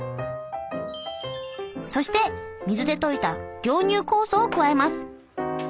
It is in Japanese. そして水で溶いた凝乳酵素を加えます。